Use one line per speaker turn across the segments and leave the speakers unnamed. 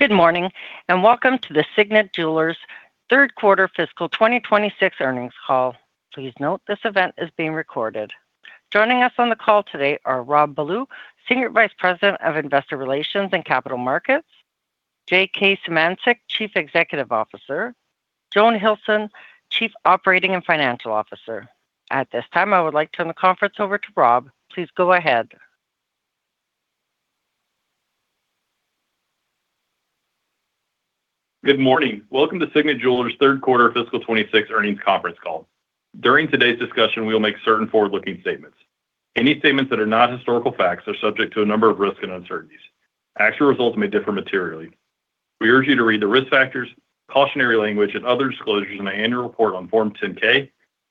Good morning and welcome to the Signet Jewelers' Third Quarter Fiscal 2026 earnings call. Please note this event is being recorded. Joining us on the call today are Rob Ballew, Senior Vice President of Investor Relations and Capital Markets; J.K. Symancyk, Chief Executive Officer; Joan Hilson, Chief Operating and Financial Officer. At this time, I would like to turn the conference over to Rob. Please go ahead.
Good morning. Welcome to Signet Jewelers' Third Quarter Fiscal 2026 earnings conference call. During today's discussion, we will make certain forward-looking statements. Any statements that are not historical facts are subject to a number of risks and uncertainties. Actual results may differ materially. We urge you to read the risk factors, cautionary language, and other disclosures in the annual report on Form 10-K,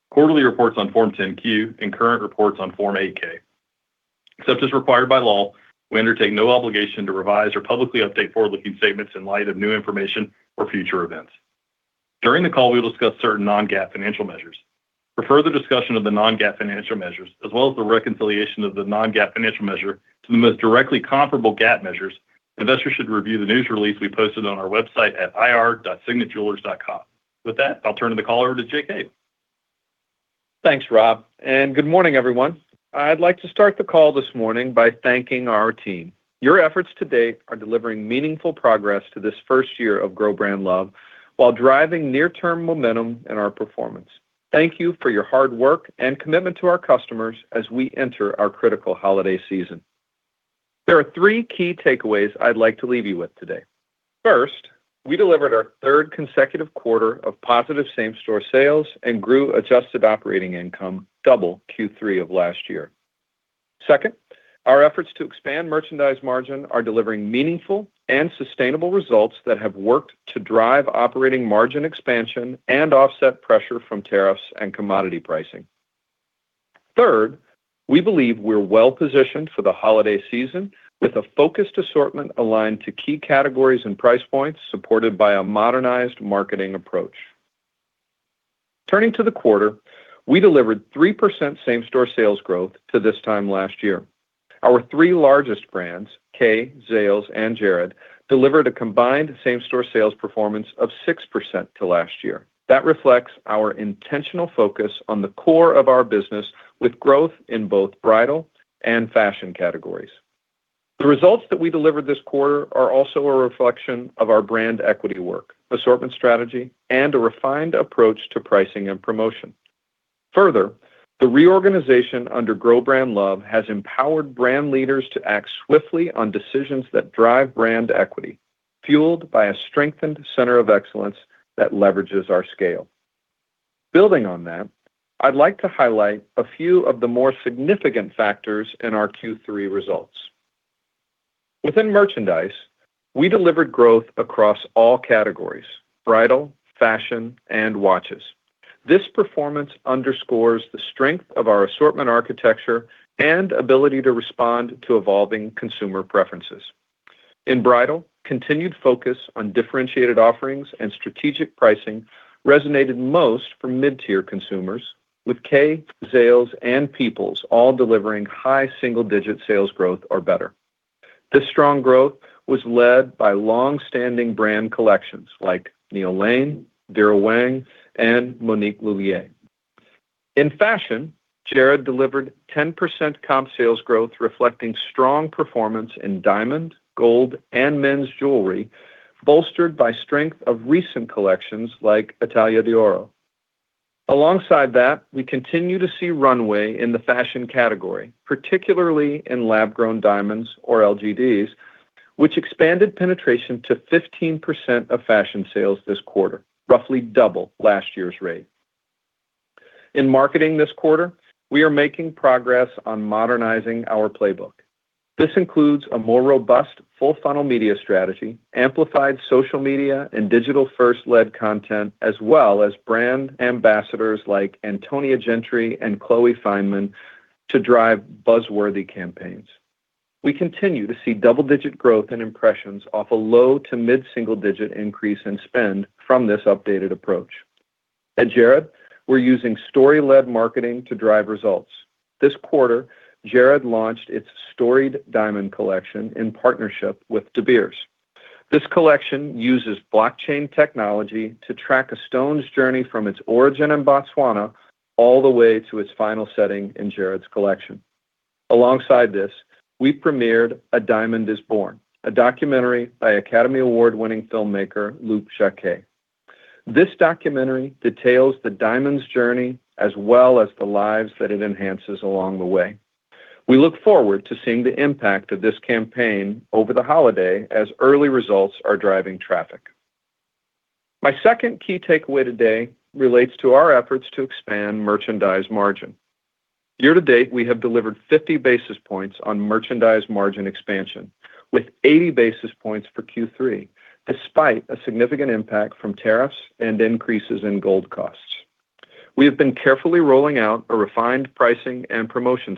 quarterly reports on Form 10-Q, and current reports on Form 8-K. Except as required by law, we undertake no obligation to revise or publicly update forward-looking statements in light of new information or future events. During the call, we will discuss certain non-GAAP financial measures. For further discussion of the non-GAAP financial measures, as well as the reconciliation of the non-GAAP financial measures to the most directly comparable GAAP measures, investors should review the news release we posted on our website at ir.signetjewelers.com. With that, I'll turn the call over to J.K.
Thanks, Rob. Good morning, everyone. I'd like to start the call this morning by thanking our team. Your efforts to date are delivering meaningful progress to this first year of Grow Brand Love while driving near-term momentum in our performance. Thank you for your hard work and commitment to our customers as we enter our critical holiday season. There are three key takeaways I'd like to leave you with today. First, we delivered our third consecutive quarter of positive same-store sales and grew adjusted operating income double Q3 of last year. Second, our efforts to expand merchandise margin are delivering meaningful and sustainable results that have worked to drive operating margin expansion and offset pressure from tariffs and commodity pricing. Third, we believe we're well positioned for the holiday season with a focused assortment aligned to key categories and price points supported by a modernized marketing approach. Turning to the quarter, we delivered 3% same-store sales growth to this time last year. Our three largest brands, Kay, Zales, and Jared, delivered a combined same-store sales performance of 6% to last year. That reflects our intentional focus on the core of our business with growth in both bridal and fashion categories. The results that we delivered this quarter are also a reflection of our brand equity work, assortment strategy, and a refined approach to pricing and promotion. Further, the reorganization under Grow Brand Love has empowered brand leaders to act swiftly on decisions that drive brand equity, fueled by a strengthened center of excellence that leverages our scale. Building on that, I'd like to highlight a few of the more significant factors in our Q3 results. Within merchandise, we delivered growth across all categories: bridal, fashion, and watches. This performance underscores the strength of our assortment architecture and ability to respond to evolving consumer preferences. In bridal, continued focus on differentiated offerings and strategic pricing resonated most for mid-tier consumers, with Kay, Zales, and Peoples all delivering high single-digit sales growth or better. This strong growth was led by long-standing brand collections like Neil Lane, Vera Wang, and Monique Lhuillier. In fashion, Jared delivered 10% comp sales growth, reflecting strong performance in diamond, gold, and men's jewelry, bolstered by strength of recent collections like Italia D'Oro. Alongside that, we continue to see runway in the fashion category, particularly in Lab-Grown Diamonds or LGDs, which expanded penetration to 15% of fashion sales this quarter, roughly double last year's rate. In marketing this quarter, we are making progress on modernizing our playbook. This includes a more robust full-funnel media strategy, amplified social media and digital-first-led content, as well as brand ambassadors like Antonia Gentry and Chloe Fineman to drive buzzworthy campaigns. We continue to see double-digit growth in impressions off a low to mid-single-digit increase in spend from this updated approach. At Jared, we're using story-led marketing to drive results. This quarter, Jared launched its Storied Diamond Collection in partnership with De Beers. This collection uses Blockchain Technology to track a stone's journey from its origin in Botswana all the way to its final setting in Jared's collection. Alongside this, we premiered A Diamond Is Born, a documentary by Academy Award-winning filmmaker Luc Jacquet. This documentary details the diamond's journey as well as the lives that it enhances along the way. We look forward to seeing the impact of this campaign over the holiday as early results are driving traffic. My second key takeaway today relates to our efforts to expand merchandise margin. Year to date, we have delivered 50 basis points on merchandise margin expansion, with 80 basis points for Q3, despite a significant impact from tariffs and increases in gold costs. We have been carefully rolling out a refined pricing and promotion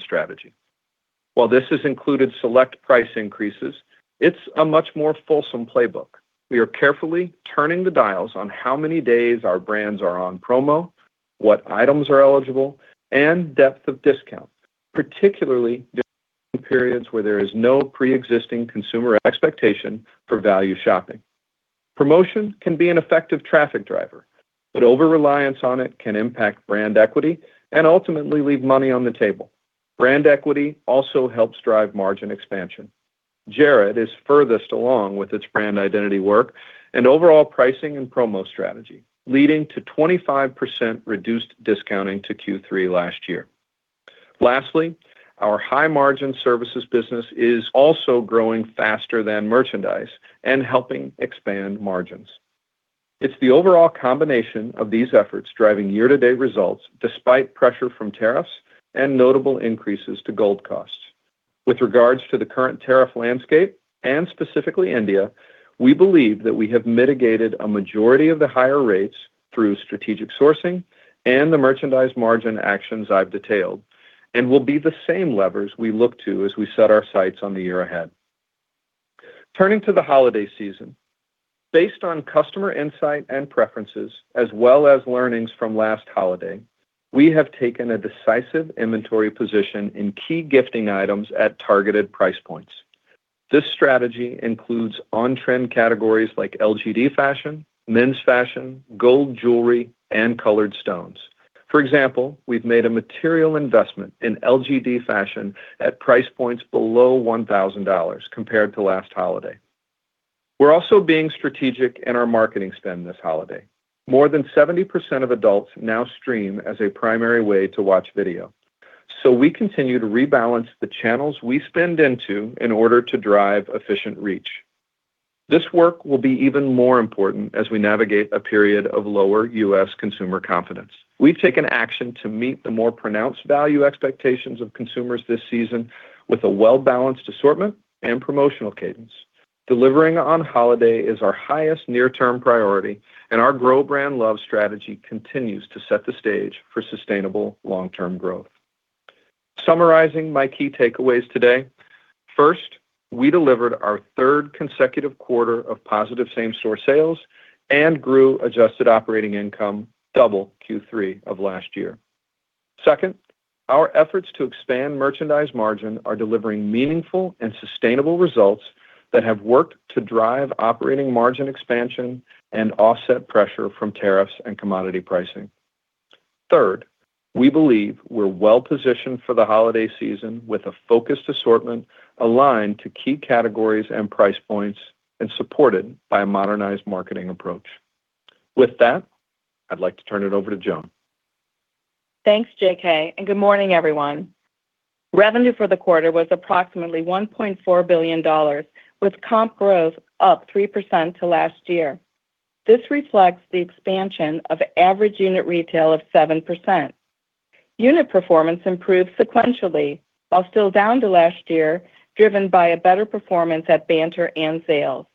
strategy. While this has included select price increases, it's a much more fulsome playbook. We are carefully turning the dials on how many days our brands are on promo, what items are eligible, and depth of discount, particularly during periods where there is no pre-existing consumer expectation for value shopping. Promotion can be an effective traffic driver, but over-reliance on it can impact brand equity and ultimately leave money on the table. Brand equity also helps drive margin expansion. Jared is furthest along with its brand identity work and overall pricing and promo strategy, leading to 25% reduced discounting to Q3 last year. Lastly, our high-margin services business is also growing faster than merchandise and helping expand margins. It's the overall combination of these efforts driving year-to-date results despite pressure from tariffs and notable increases to gold costs. With regards to the current tariff landscape and specifically India, we believe that we have mitigated a majority of the higher rates through strategic sourcing and the merchandise margin actions I've detailed, and will be the same levers we look to as we set our sights on the year ahead. Turning to the holiday season, based on customer insight and preferences, as well as learnings from last holiday, we have taken a decisive inventory position in key gifting items at targeted price points. This strategy includes on-trend categories like LGD fashion, men's fashion, gold jewelry, and colored stones. For example, we've made a material investment in LGD fashion at price points below $1,000 compared to last holiday. We're also being strategic in our marketing spend this holiday. More than 70% of adults now stream as a primary way to watch video, so we continue to rebalance the channels we spend into in order to drive efficient reach. This work will be even more important as we navigate a period of lower U.S. consumer confidence. We've taken action to meet the more pronounced value expectations of consumers this season with a well-balanced assortment and promotional cadence. Delivering on holiday is our highest near-term priority, and our Grow Brand Love strategy continues to set the stage for sustainable long-term growth. Summarizing my key takeaways today: first, we delivered our third consecutive quarter of positive same-store sales and grew adjusted operating income double Q3 of last year. Second, our efforts to expand merchandise margin are delivering meaningful and sustainable results that have worked to drive operating margin expansion and offset pressure from tariffs and commodity pricing. Third, we believe we're well positioned for the holiday season with a focused assortment aligned to key categories and price points and supported by a modernized marketing approach. With that, I'd like to turn it over to Joan.
Thanks, J.K. And good morning, everyone. Revenue for the quarter was approximately $1.4 billion, with comp growth up 3% to last year. This reflects the expansion of average unit retail of 7%. Unit performance improved sequentially while still down to last year, driven by a better performance at Banter and Zales.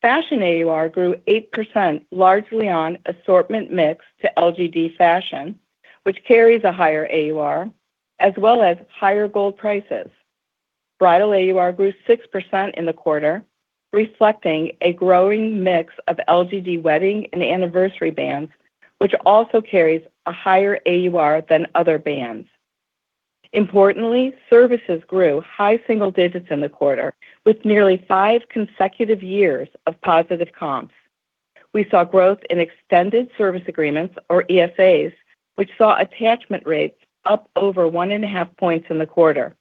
Fashion AUR grew 8%, largely on assortment mix to LGD fashion, which carries a higher AUR, as well as higher gold prices. Bridal AUR grew 6% in the quarter, reflecting a growing mix of LGD wedding and anniversary bands, which also carries a higher AUR than other bands. Importantly, services grew high single digits in the quarter, with nearly five consecutive years of positive comps. We saw growth in Extended Service Agreements, or ESAs, which saw attachment rates up over one and a half points in the quarter.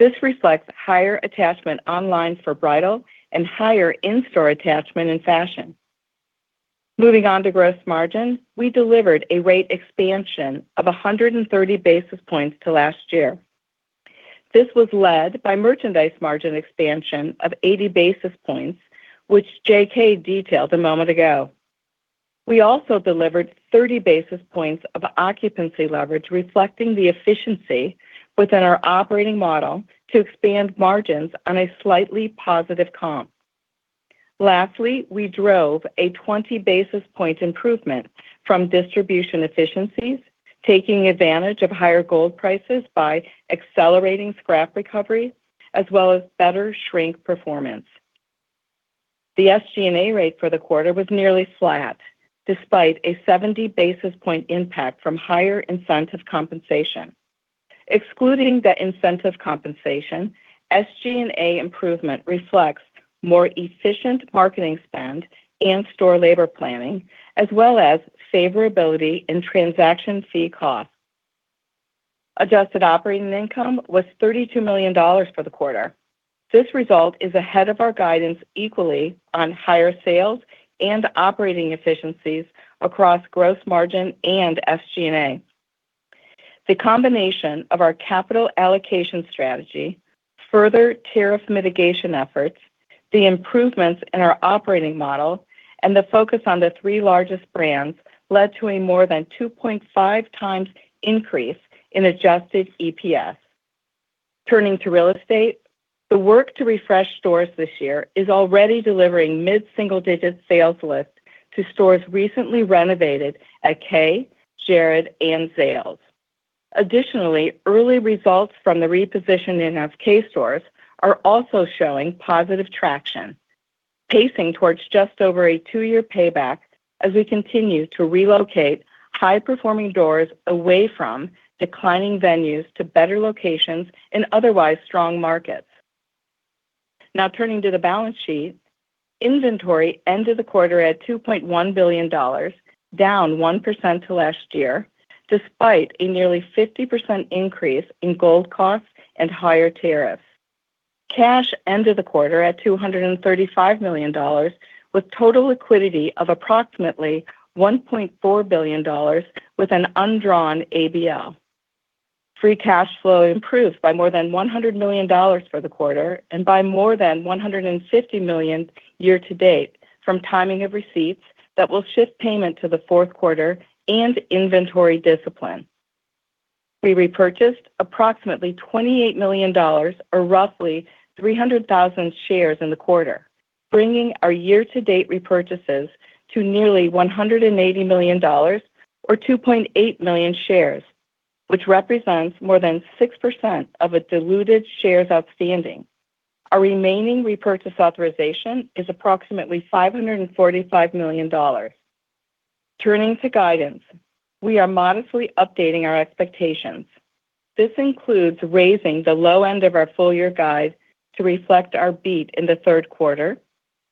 This reflects higher attachment online for bridal and higher in-store attachment in fashion. Moving on to gross margin, we delivered a rate expansion of 130 basis points to last year. This was led by merchandise margin expansion of 80 basis points, which J.K. detailed a moment ago. We also delivered 30 basis points of occupancy leverage, reflecting the efficiency within our operating model to expand margins on a slightly positive comp. Lastly, we drove a 20 basis point improvement from distribution efficiencies, taking advantage of higher gold prices by accelerating scrap recovery, as well as better shrink performance. The SG&A rate for the quarter was nearly flat, despite a 70 basis point impact from higher incentive compensation. Excluding the incentive compensation, SG&A improvement reflects more efficient marketing spend and store labor planning, as well as favorability in transaction fee costs. Adjusted operating income was $32 million for the quarter. This result is ahead of our guidance equally on higher sales and operating efficiencies across gross margin and SG&A. The combination of our capital allocation strategy, further tariff mitigation efforts, the improvements in our operating model, and the focus on the three largest brands led to a more than 2.5x increase in adjusted EPS. Turning to real estate, the work to refresh stores this year is already delivering mid-single-digit sales lift to stores recently renovated at Kay, Jared, and Zales. Additionally, early results from the repositioning of Kay stores are also showing positive traction, pacing towards just over a two-year payback as we continue to relocate high-performing doors away from declining venues to better locations in otherwise strong markets. Now, turning to the balance sheet, inventory end of the quarter at $2.1 billion, down 1% to last year, despite a nearly 50% increase in gold costs and higher tariffs. Cash end of the quarter at $235 million, with total liquidity of approximately $1.4 billion, with an undrawn ABL. Free cash flow improved by more than $100 million for the quarter and by more than $150 million year to date from timing of receipts that will shift payment to the fourth quarter and inventory discipline. We repurchased approximately $28 million, or roughly 300,000 shares in the quarter, bringing our year-to-date repurchases to nearly $180 million, or 2.8 million shares, which represents more than 6% of diluted shares outstanding. Our remaining repurchase authorization is approximately $545 million. Turning to guidance, we are modestly updating our expectations. This includes raising the low end of our full-year guide to reflect our beat in the third quarter,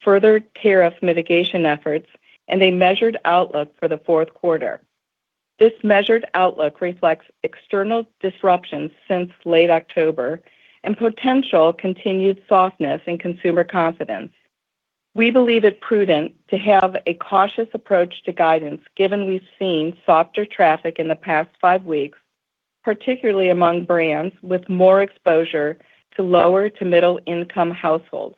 further tariff mitigation efforts, and a measured outlook for the fourth quarter. This measured outlook reflects external disruptions since late October and potential continued softness in consumer confidence. We believe it prudent to have a cautious approach to guidance, given we've seen softer traffic in the past five weeks, particularly among brands with more exposure to lower to middle-income households.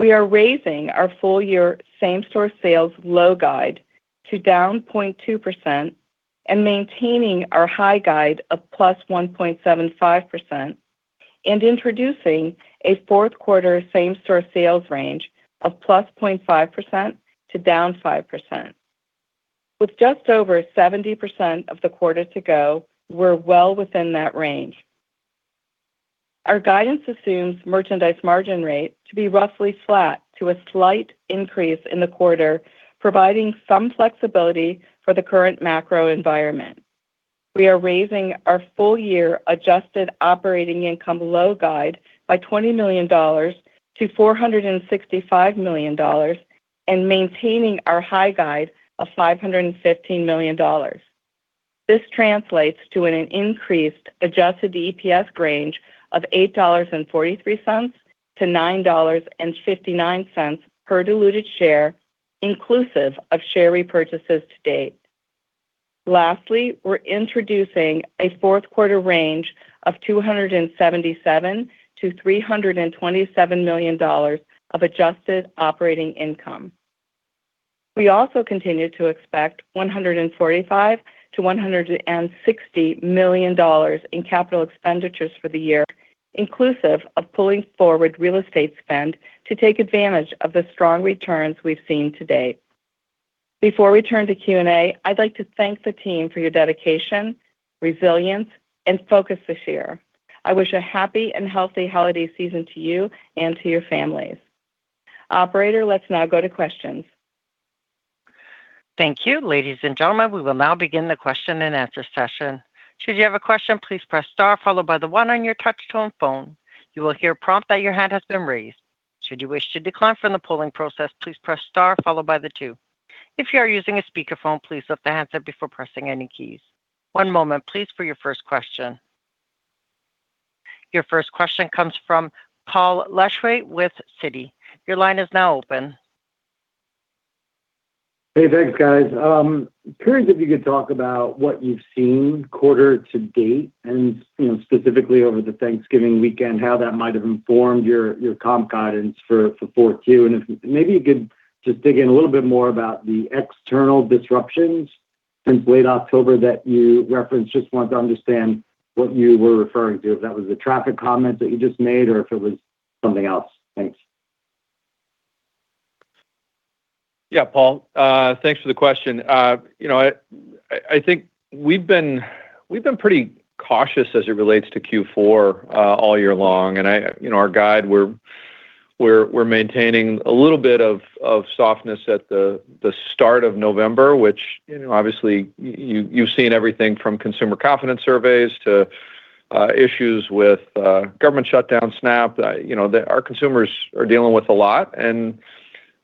We are raising our full-year same-store sales low guide to down 0.2% and maintaining our high guide of 1.75%+, and introducing a fourth quarter same-store sales range of 0.5%+ to down 5%. With just over 70% of the quarter to go, we're well within that range. Our guidance assumes merchandise margin rate to be roughly flat to a slight increase in the quarter, providing some flexibility for the current macro environment. We are raising our full-year adjusted operating income low guide by $20 million-$465 million and maintaining our high guide of $515 million. This translates to an increased adjusted EPS range of $8.43-$9.59 per diluted share, inclusive of share repurchases to date. Lastly, we're introducing a fourth quarter range of $277 million-$327 million of adjusted operating income. We also continue to expect $145 million-$160 million in capital expenditures for the year, inclusive of pulling forward real estate spend to take advantage of the strong returns we've seen to date. Before we turn to Q&A, I'd like to thank the team for your dedication, resilience, and focus this year. I wish a happy and healthy holiday season to you and to your families. Operator, let's now go to questions.
Thank you. Ladies and gentlemen, we will now begin the question and answer session. Should you have a question, please press star, followed by the one on your touch-tone phone. You will hear a prompt that your hand has been raised. Should you wish to decline from the polling process, please press star, followed by the two. If you are using a speakerphone, please lift the handset before pressing any keys. One moment, please, for your first question. Your first question comes from Paul Lejuez with Citi. Your line is now open.
Hey, thanks, guys. Curious if you could talk about what you've seen quarter to date and specifically over the Thanksgiving weekend, how that might have informed your comp guidance for fourth year. If maybe you could just dig in a little bit more about the external disruptions since late October that you referenced, just want to understand what you were referring to, if that was the traffic comments that you just made or if it was something else. Thanks.
Yeah, Paul, thanks for the question. I think we've been pretty cautious as it relates to Q4 all year long. Our guide, we're maintaining a little bit of softness at the start of November, which obviously you've seen everything from consumer confidence surveys to issues with government shutdown, SNAP. Our consumers are dealing with a lot.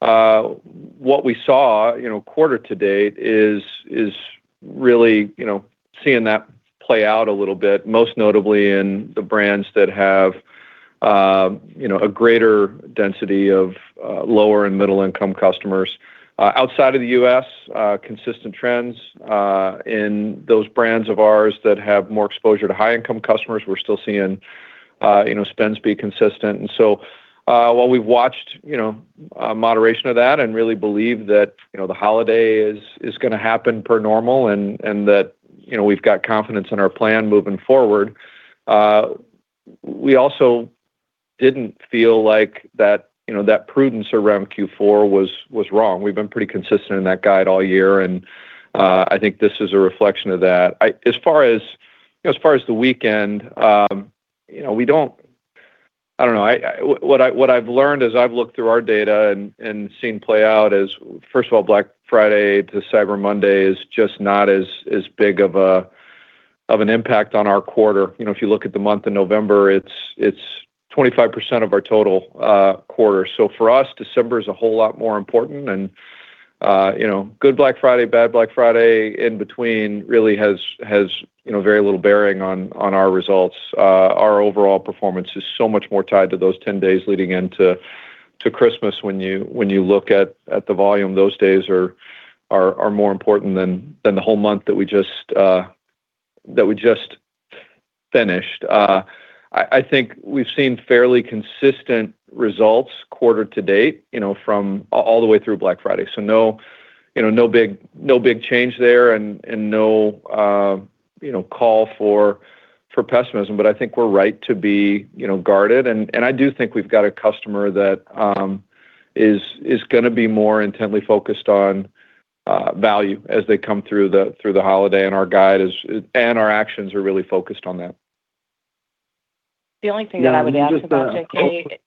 What we saw quarter to date is really seeing that play out a little bit, most notably in the brands that have a greater density of lower and middle-income customers. Outside of the U.S., consistent trends in those brands of ours that have more exposure to high-income customers. We're still seeing spends be consistent. While we've watched moderation of that and really believe that the holiday is going to happen per normal and that we've got confidence in our plan moving forward, we also didn't feel like that prudence around Q4 was wrong. We've been pretty consistent in that guide all year, and I think this is a reflection of that. As far as the weekend, we don't—I don't know. What I've learned as I've looked through our data and seen play out is, first of all, Black Friday to Cyber Monday is just not as big of an impact on our quarter. If you look at the month of November, it's 25% of our total quarter. For us, December is a whole lot more important. Good Black Friday, bad Black Friday, in between, really has very little bearing on our results. Our overall performance is so much more tied to those 10 days leading into Christmas when you look at the volume. Those days are more important than the whole month that we just finished. I think we've seen fairly consistent results quarter to date all the way through Black Friday. No big change there and no call for pessimism. I think we're right to be guarded. I do think we've got a customer that is going to be more intently focused on value as they come through the holiday. Our guide and our actions are really focused on that.
The only thing that I would add to that, J.K.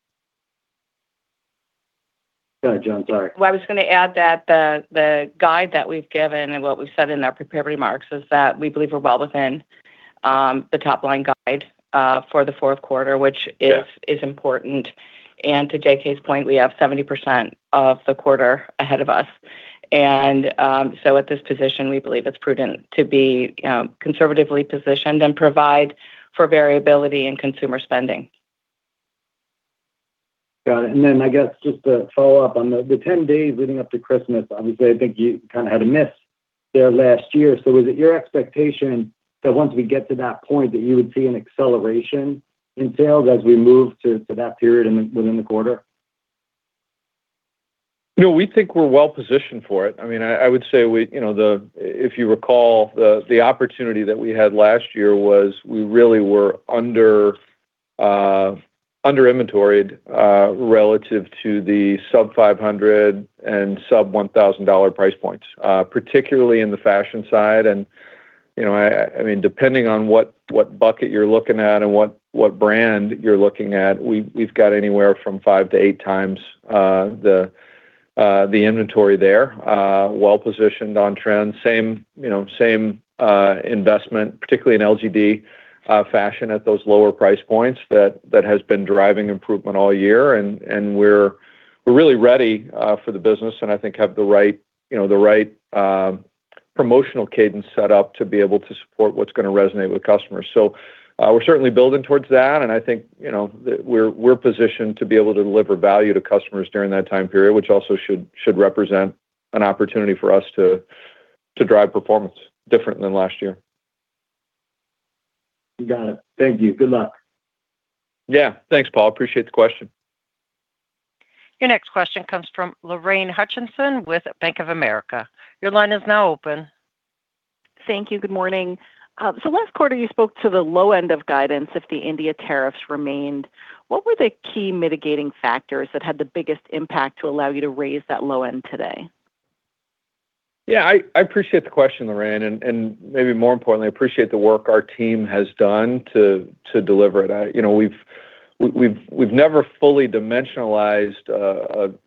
Go ahead, Joan. Sorry.
I was going to add that the guide that we've given and what we've said in our prepared remarks is that we believe we're well within the top-line guide for the fourth quarter, which is important. To J.K.'s point, we have 70% of the quarter ahead of us. At this position, we believe it's prudent to be conservatively positioned and provide for variability in consumer spending.
Got it. I guess just to follow up on the 10 days leading up to Christmas, obviously, I think you kind of had a miss there last year. Was it your expectation that once we get to that point, that you would see an acceleration in sales as we move to that period within the quarter?
No, we think we're well positioned for it. I mean, I would say, if you recall, the opportunity that we had last year was we really were under-inventoried relative to the sub-$500 and sub-$1,000 price points, particularly in the fashion side. I mean, depending on what bucket you're looking at and what brand you're looking at, we've got anywhere from five to eight times the inventory there, well positioned on trends, same investment, particularly in LGD fashion at those lower price points that has been driving improvement all year. We're really ready for the business and I think have the right promotional cadence set up to be able to support what's going to resonate with customers. We're certainly building towards that. I think we're positioned to be able to deliver value to customers during that time period, which also should represent an opportunity for us to drive performance different than last year.
Got it. Thank you. Good luck.
Yeah. Thanks, Paul. Appreciate the question.
Your next question comes from Lorraine Hutchinson with Bank of America. Your line is now open.
Thank you. Good morning. Last quarter, you spoke to the low end of guidance if the India tariffs remained. What were the key mitigating factors that had the biggest impact to allow you to raise that low end today?
Yeah, I appreciate the question, Lorraine. Maybe more importantly, I appreciate the work our team has done to deliver it. We've never fully dimensionalized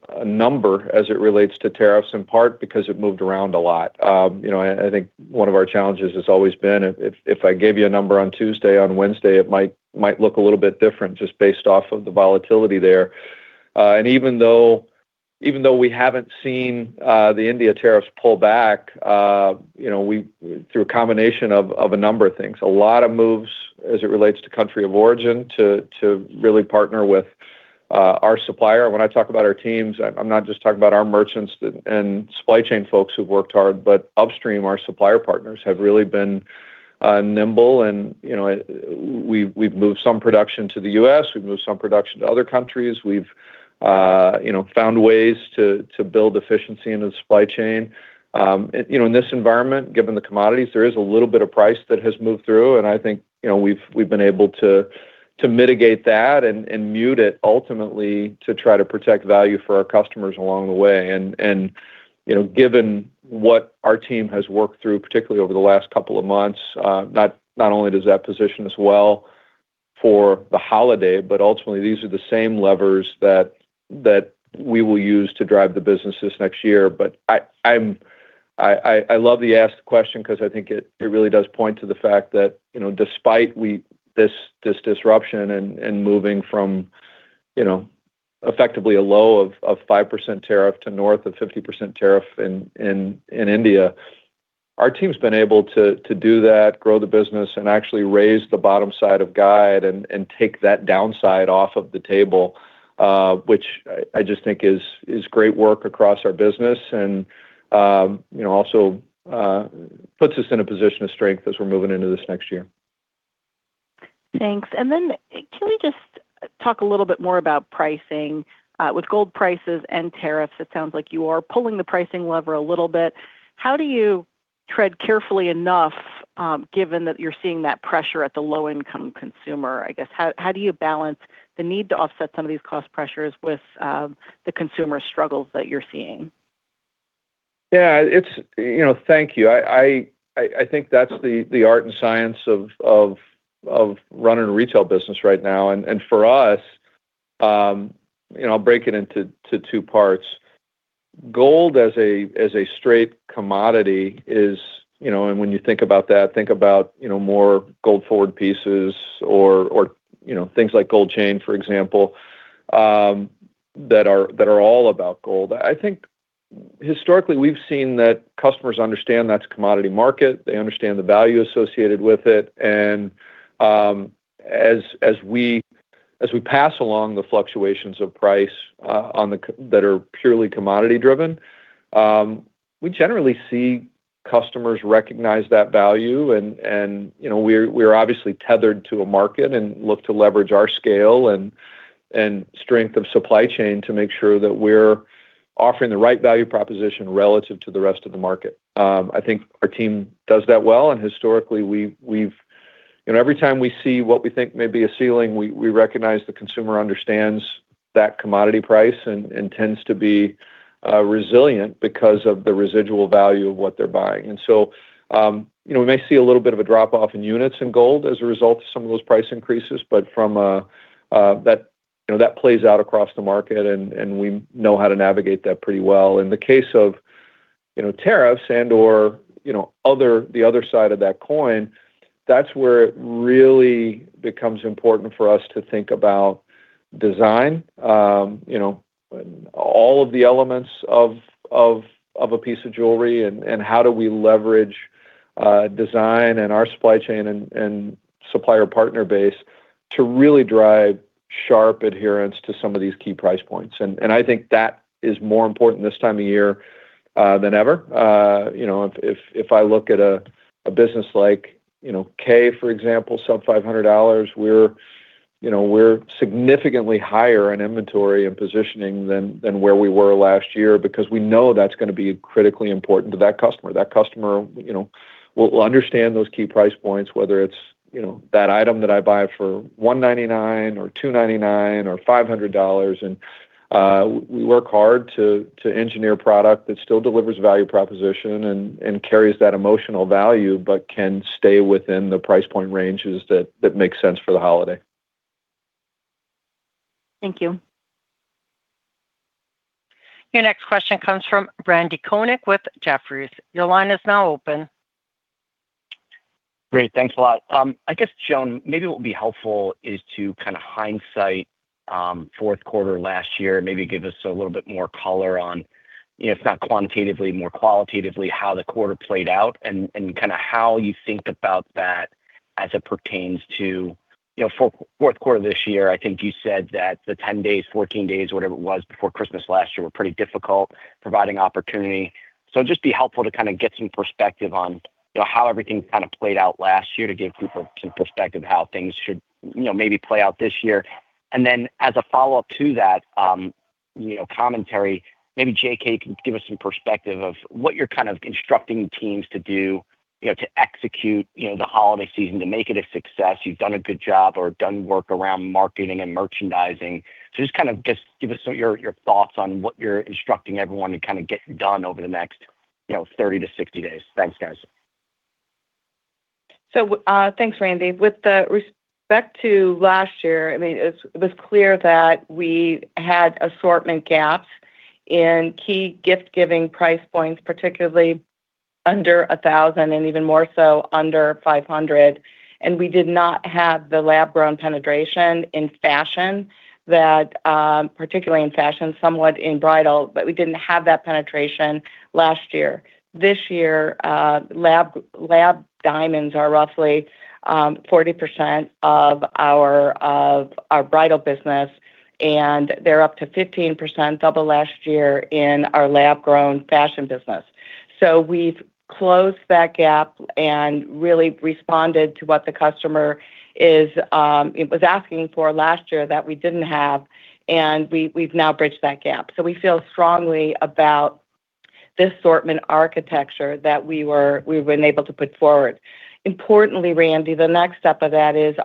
a number as it relates to tariffs, in part because it moved around a lot. I think one of our challenges has always been if I gave you a number on Tuesday, on Wednesday, it might look a little bit different just based off of the volatility there. Even though we haven't seen the India tariffs pull back through a combination of a number of things, a lot of moves as it relates to country of origin to really partner with our supplier. When I talk about our teams, I'm not just talking about our merchants and supply chain folks who've worked hard, but upstream, our supplier partners have really been nimble. We've moved some production to the U.S. have moved some production to other countries. We have found ways to build efficiency in the supply chain. In this environment, given the commodities, there is a little bit of price that has moved through. I think we have been able to mitigate that and mute it ultimately to try to protect value for our customers along the way. Given what our team has worked through, particularly over the last couple of months, not only does that position us well for the holiday, but ultimately, these are the same levers that we will use to drive the business this next year. I love the asked question because I think it really does point to the fact that despite this disruption and moving from effectively a low of 5% tariff to north of 50% tariff in India, our team's been able to do that, grow the business, and actually raise the bottom side of guide and take that downside off of the table, which I just think is great work across our business and also puts us in a position of strength as we're moving into this next year.
Thanks. Can we just talk a little bit more about pricing? With gold prices and tariffs, it sounds like you are pulling the pricing lever a little bit. How do you tread carefully enough, given that you're seeing that pressure at the low-income consumer? I guess, how do you balance the need to offset some of these cost pressures with the consumer struggles that you're seeing?
Yeah, thank you. I think that's the art and science of running a retail business right now. For us, I'll break it into two parts. Gold as a straight commodity is, and when you think about that, think about more gold-forward pieces or things like Gold Chain, for example, that are all about gold. I think historically, we've seen that customers understand that's a commodity market. They understand the value associated with it. As we pass along the fluctuations of price that are purely commodity-driven, we generally see customers recognize that value. We're obviously tethered to a market and look to leverage our scale and strength of supply chain to make sure that we're offering the right value proposition relative to the rest of the market. I think our team does that well. Historically, every time we see what we think may be a ceiling, we recognize the consumer understands that commodity price and tends to be resilient because of the residual value of what they're buying. We may see a little bit of a drop-off in units in gold as a result of some of those price increases, but that plays out across the market, and we know how to navigate that pretty well. In the case of tariffs and/or the other side of that coin, that's where it really becomes important for us to think about design, all of the elements of a piece of jewelry, and how do we leverage design and our supply chain and supplier partner base to really drive sharp adherence to some of these key price points. I think that is more important this time of year than ever. If I look at a business like Kay, for example, sub-$500, we are significantly higher in inventory and positioning than where we were last year because we know that is going to be critically important to that customer. That customer will understand those key price points, whether it is that item that I buy for $199 or $299 or $500. We work hard to engineer product that still delivers value proposition and carries that emotional value but can stay within the price point ranges that make sense for the holiday.
Thank you.
Your next question comes from Randy Konik with Jefferies. Your line is now open.
Great. Thanks a lot. I guess, Joan, maybe what would be helpful is to kind of hindsight fourth quarter last year, maybe give us a little bit more color on, if not quantitatively, more qualitatively, how the quarter played out and kind of how you think about that as it pertains to fourth quarter this year. I think you said that the 10 days, 14 days, whatever it was before Christmas last year were pretty difficult providing opportunity. It'd just be helpful to kind of get some perspective on how everything kind of played out last year to give people some perspective of how things should maybe play out this year. As a follow-up to that commentary, maybe J.K. can give us some perspective of what you're kind of instructing teams to do to execute the holiday season, to make it a success. You've done a good job or done work around marketing and merchandising. Just kind of give us your thoughts on what you're instructing everyone to kind of get done over the next 30 days-60 days. Thanks, guys.
Thanks, Randy. With respect to last year, I mean, it was clear that we had assortment gaps in key gift-giving price points, particularly under $1,000 and even more so under $500. I mean, we did not have the lab-grown penetration in fashion, particularly in fashion, somewhat in bridal, but we did not have that penetration last year. This year, lab diamonds are roughly 40% of our bridal business, and they are up to 15%, double last year, in our lab-grown fashion business. We have closed that gap and really responded to what the customer was asking for last year that we did not have. We have now bridged that gap. We feel strongly about this assortment architecture that we have been able to put forward. Importantly, Randy, the next step of that is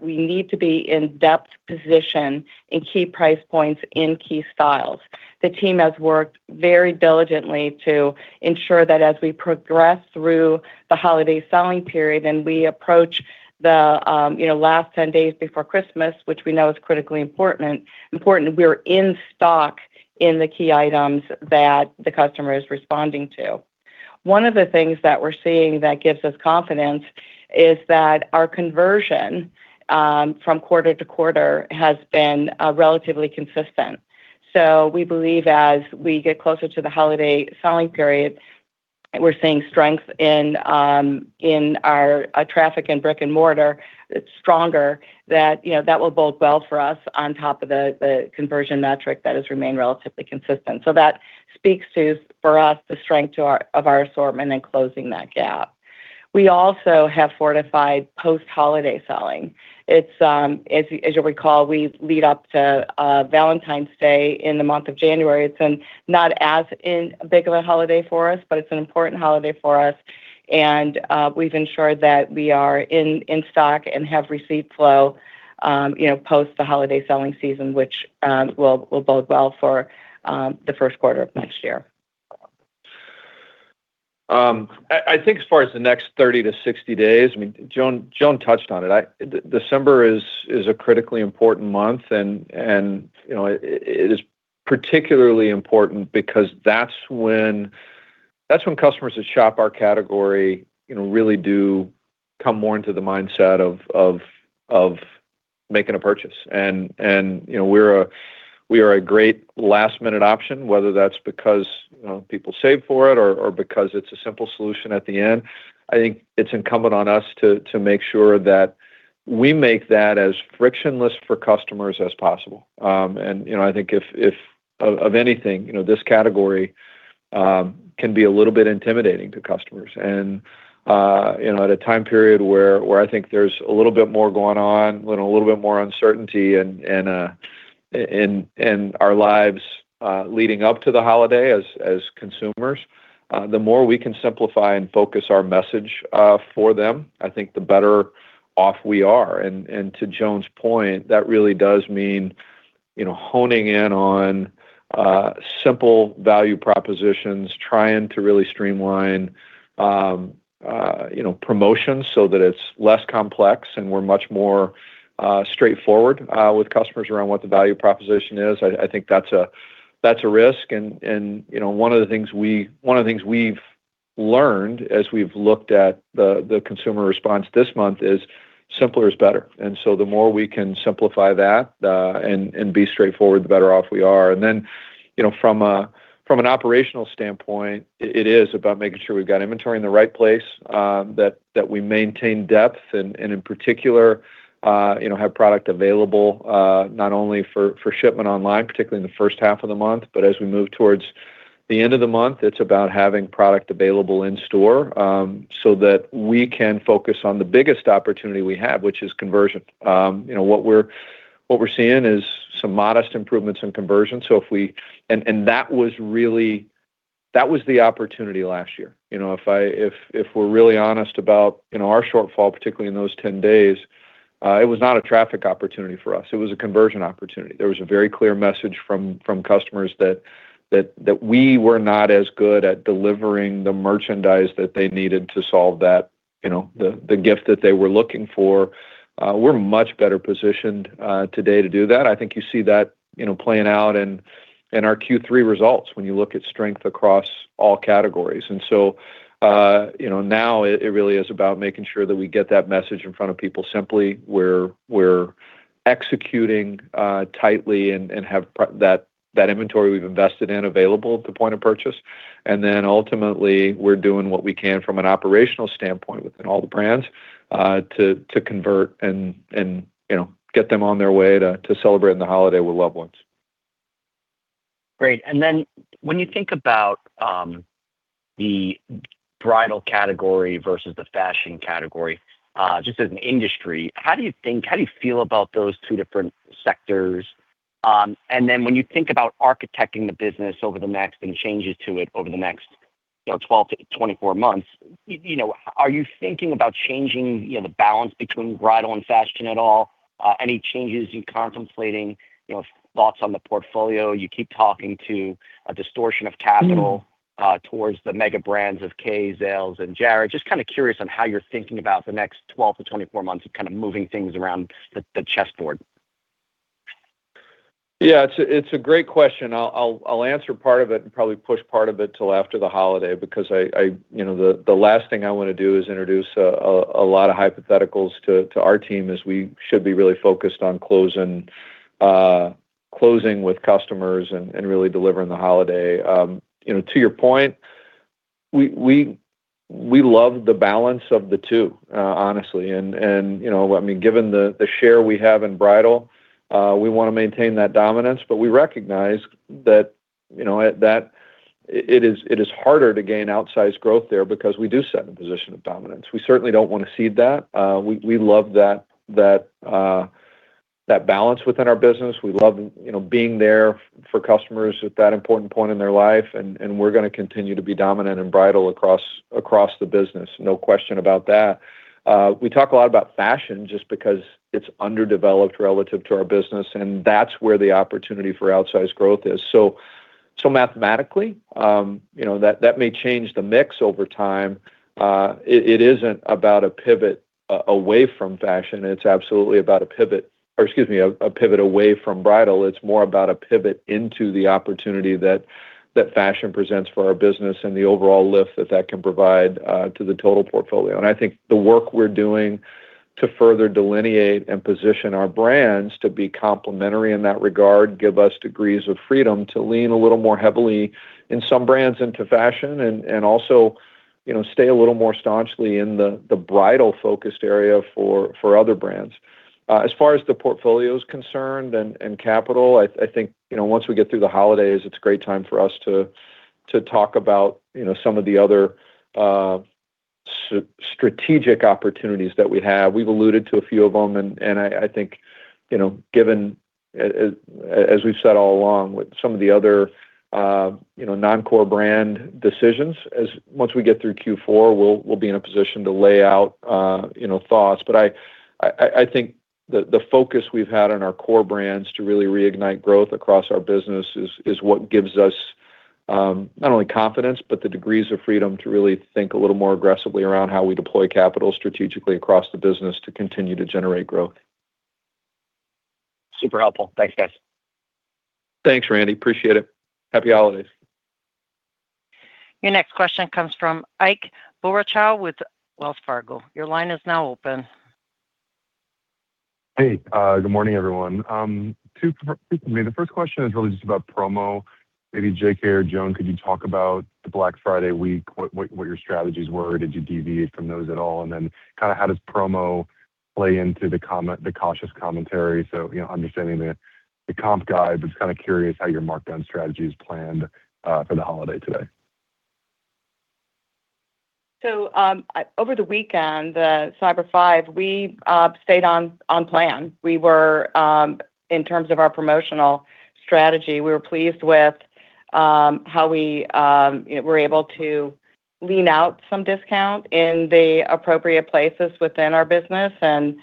we need to be in depth position in key price points in key styles. The team has worked very diligently to ensure that as we progress through the holiday selling period and we approach the last 10 days before Christmas, which we know is critically important, we're in stock in the key items that the customer is responding to. One of the things that we're seeing that gives us confidence is that our conversion from quarter to quarter has been relatively consistent. We believe as we get closer to the holiday selling period, we're seeing strength in our traffic in brick and mortar, stronger, that that will bode well for us on top of the conversion metric that has remained relatively consistent. That speaks to, for us, the strength of our assortment and closing that gap. We also have fortified post-holiday selling. As you'll recall, we lead up to Valentine's Day in the month of January. It's not as big of a holiday for us, but it's an important holiday for us. We have ensured that we are in stock and have receipt flow post the holiday selling season, which will bode well for the first quarter of next year.
I think as far as the next 30 days-60 days, I mean, Joan touched on it. December is a critically important month, and it is particularly important because that's when customers that shop our category really do come more into the mindset of making a purchase. We're a great last-minute option, whether that's because people save for it or because it's a simple solution at the end. I think it's incumbent on us to make sure that we make that as frictionless for customers as possible. I think, of anything, this category can be a little bit intimidating to customers. At a time period where I think there is a little bit more going on, a little bit more uncertainty in our lives leading up to the holiday as consumers, the more we can simplify and focus our message for them, I think the better off we are. To Joan's point, that really does mean honing in on simple value propositions, trying to really streamline promotions so that it is less complex and we are much more straightforward with customers around what the value proposition is. I think that is a risk. One of the things we have learned as we have looked at the consumer response this month is simpler is better. The more we can simplify that and be straightforward, the better off we are. From an operational standpoint, it is about making sure we have inventory in the right place, that we maintain depth, and in particular, have product available not only for shipment online, particularly in the first half of the month, but as we move towards the end of the month, it is about having product available in store so that we can focus on the biggest opportunity we have, which is conversion. What we are seeing is some modest improvements in conversion. That was really the opportunity last year. If we are really honest about our shortfall, particularly in those 10 days, it was not a traffic opportunity for us. It was a conversion opportunity. There was a very clear message from customers that we were not as good at delivering the merchandise that they needed to solve that, the gift that they were looking for. We're much better positioned today to do that. I think you see that playing out in our Q3 results when you look at strength across all categories. It really is about making sure that we get that message in front of people simply. We're executing tightly and have that inventory we've invested in available at the point of purchase. Ultimately, we're doing what we can from an operational standpoint within all the brands to convert and get them on their way to celebrating the holiday with loved ones.
Great. When you think about the bridal category versus the fashion category, just as an industry, how do you think, how do you feel about those two different sectors? When you think about architecting the business over the next and changes to it over the next 12 months-24 months, are you thinking about changing the balance between bridal and fashion at all? Any changes you're contemplating? Thoughts on the portfolio? You keep talking to a distortion of capital towards the mega brands of Kay, Zales, and Jared. Just kind of curious on how you're thinking about the next 12 months-24 months of kind of moving things around the chessboard.
Yeah, it's a great question. I'll answer part of it and probably push part of it till after the holiday because the last thing I want to do is introduce a lot of hypotheticals to our team as we should be really focused on closing with customers and really delivering the holiday. To your point, we love the balance of the two, honestly. I mean, given the share we have in bridal, we want to maintain that dominance, but we recognize that it is harder to gain outsized growth there because we do sit in a position of dominance. We certainly don't want to cede that. We love that balance within our business. We love being there for customers at that important point in their life. We're going to continue to be dominant in bridal across the business. No question about that. We talk a lot about fashion just because it's underdeveloped relative to our business, and that's where the opportunity for outsized growth is. Mathematically, that may change the mix over time. It isn't about a pivot away from fashion. It's absolutely about a pivot or, excuse me, a pivot away from bridal. It's more about a pivot into the opportunity that fashion presents for our business and the overall lift that that can provide to the total portfolio. I think the work we're doing to further delineate and position our brands to be complementary in that regard gives us degrees of freedom to lean a little more heavily in some brands into fashion and also stay a little more staunchly in the bridal-focused area for other brands. As far as the portfolio is concerned and capital, I think once we get through the holidays, it's a great time for us to talk about some of the other strategic opportunities that we have. We've alluded to a few of them. I think, given as we've said all along with some of the other non-core brand decisions, once we get through Q4, we'll be in a position to lay out thoughts. I think the focus we've had on our core brands to really reignite growth across our business is what gives us not only confidence but the degrees of freedom to really think a little more aggressively around how we deploy capital strategically across the business to continue to generate growth.
Super helpful. Thanks, guys.
Thanks, Randy. Appreciate it. Happy holidays.
Your next question comes from Ike Boruchow with Wells Fargo. Your line is now open.
Hey, good morning, everyone. The first question is really just about promo. Maybe J.K. or Joan, could you talk about the Black Friday week, what your strategies were? Did you deviate from those at all? Kind of how does promo play into the cautious commentary? Understanding the comp guide, but just kind of curious how your markdown strategy is planned for the holiday today.
Over the weekend, the Cyber 5, we stayed on plan. In terms of our promotional strategy, we were pleased with how we were able to lean out some discount in the appropriate places within our business and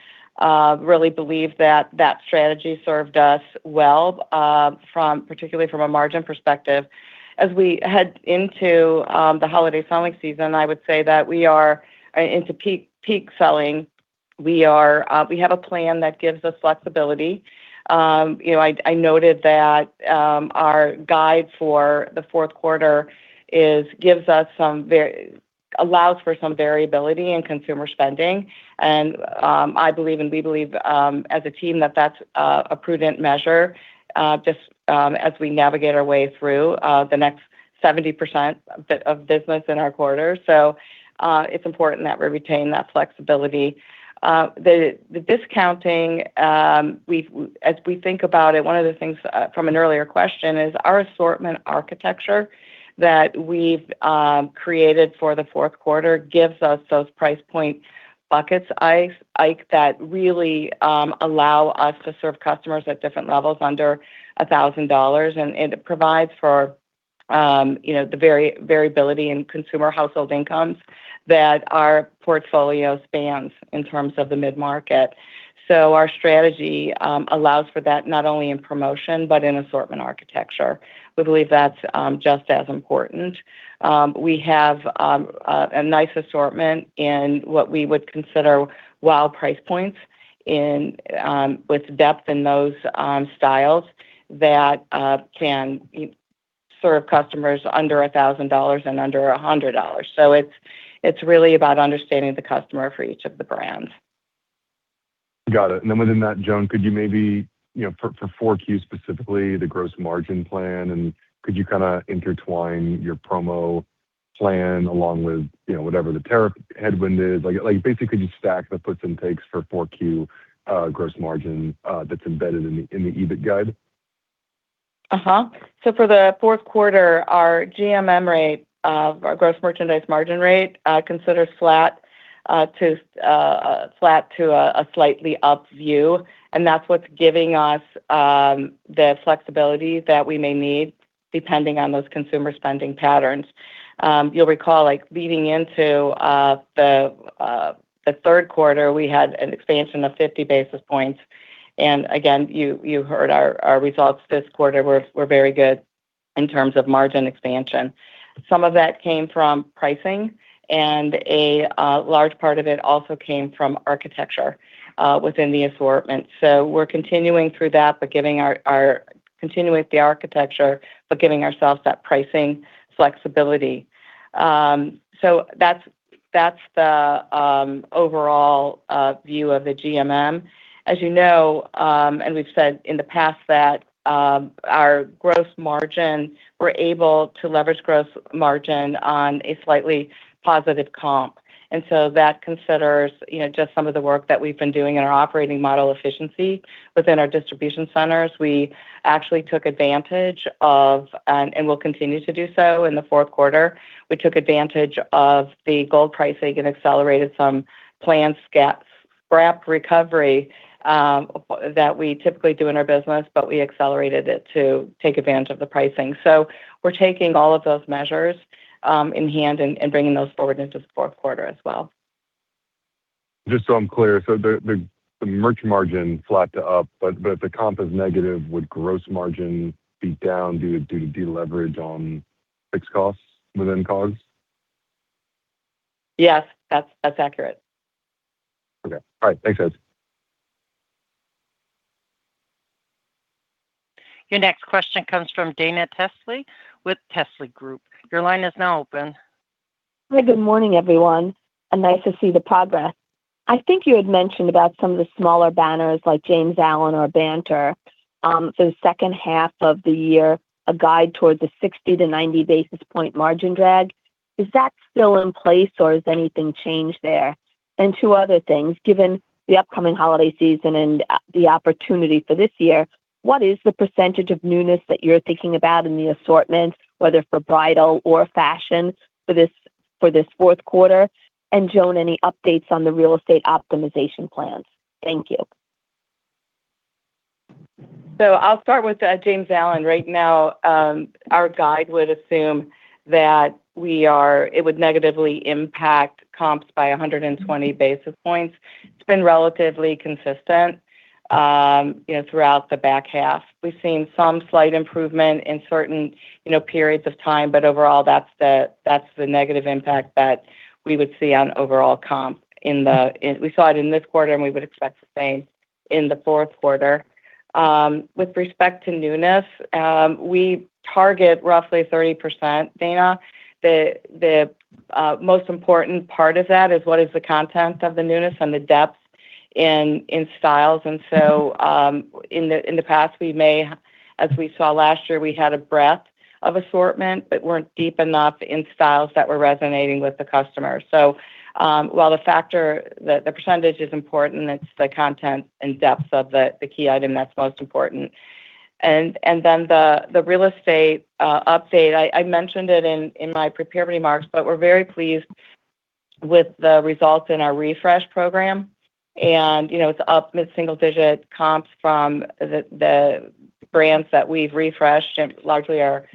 really believe that that strategy served us well, particularly from a margin perspective. As we head into the holiday selling season, I would say that we are into peak selling. We have a plan that gives us flexibility. I noted that our guide for the fourth quarter allows for some variability in consumer spending. I believe, and we believe as a team, that that's a prudent measure just as we navigate our way through the next 70% of business in our quarter. It is important that we retain that flexibility. The discounting, as we think about it, one of the things from an earlier question is our assortment architecture that we've created for the fourth quarter gives us those price point buckets, Ike, that really allow us to serve customers at different levels under $1,000. It provides for the variability in consumer household incomes that our portfolio spans in terms of the mid-market. Our strategy allows for that not only in promotion but in assortment architecture. We believe that's just as important. We have a nice assortment in what we would consider wild price points with depth in those styles that can serve customers under $1,000 and under $100. It is really about understanding the customer for each of the brands.
Got it. Then within that, Joan, could you maybe for 4Q specifically, the gross margin plan, and could you kind of intertwine your promo plan along with whatever the tariff headwind is? Basically, could you stack the puts and takes for 4Q gross margin that's embedded in the EBIT guide?
For the fourth quarter, our GMM rate, our Gross Merchandise Margin rate, considers flat to a slightly up view. That is what is giving us the flexibility that we may need depending on those consumer spending patterns. You'll recall leading into the third quarter, we had an expansion of 50 basis points. Again, you heard our results this quarter were very good in terms of margin expansion. Some of that came from pricing, and a large part of it also came from architecture within the assortment. We are continuing through that, continuing with the architecture, but giving ourselves that pricing flexibility. That is the overall view of the GMM. As you know, and we have said in the past, our gross margin, we are able to leverage gross margin on a slightly positive comp. That considers just some of the work that we've been doing in our operating model efficiency within our distribution centers. We actually took advantage of and will continue to do so in the fourth quarter. We took advantage of the gold pricing and accelerated some planned scrap recovery that we typically do in our business, but we accelerated it to take advantage of the pricing. We are taking all of those measures in hand and bringing those forward into the fourth quarter as well.
Just so I'm clear, so the merch margin flat to up, but if the comp is negative, would gross margin be down due to deleverage on fixed costs within COGS?
Yes, that's accurate.
Okay. All right. Thanks, guys.
Your next question comes from Dana Telsey with Telsey Group. Your line is now open.
Hi, good morning, everyone. Nice to see the progress. I think you had mentioned about some of the smaller banners like James Allen or Banter. For the second half of the year, a guide towards a 60 basis points-90 basis point margin drag. Is that still in place, or has anything changed there? Two other things. Given the upcoming holiday season and the opportunity for this year, what is the percentage of newness that you're thinking about in the assortment, whether for bridal or fashion for this fourth quarter? Joan, any updates on the real estate optimization plans? Thank you.
I'll start with James Allen. Right now, our guide would assume that it would negatively impact comps by 120 basis points. It's been relatively consistent throughout the back half. We've seen some slight improvement in certain periods of time, but overall, that's the negative impact that we would see on overall comp. We saw it in this quarter, and we would expect the same in the fourth quarter. With respect to newness, we target roughly 30%, Dana. The most important part of that is what is the content of the newness and the depth in styles. In the past, we may, as we saw last year, we had a breadth of assortment, but weren't deep enough in styles that were resonating with the customer. While the percentage is important, it's the content and depth of the key item that's most important. The real estate update, I mentioned it in my prepared remarks, but we're very pleased with the results in our refresh program. It is up mid-single digit comps from the brands that we've refreshed and largely our